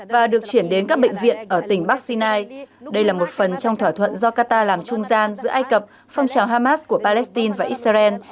và được chuyển đến các bệnh viện ở tỉnh bắc sinai đây là một phần trong thỏa thuận do qatar làm trung gian giữa ai cập phong trào hamas của palestine và israel